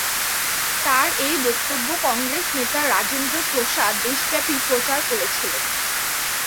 তাঁর এই বক্তব্য কংগ্রেস নেতা রাজেন্দ্র প্রসাদ দেশব্যাপী প্রচার করেছিলেন।